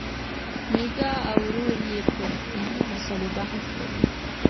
میکا او ورور یې پر دیني مسلو بحث کوي.